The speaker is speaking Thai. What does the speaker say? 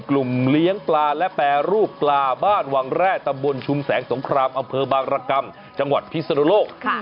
เลี้ยงปลาและแปรรูปปลาบ้านวังแร่ตำบลชุมแสงสงครามอำเภอบางรกรรมจังหวัดพิศนุโลก